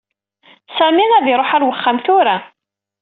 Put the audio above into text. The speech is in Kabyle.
Sami ad tiṛuḥ ar uxxam tura.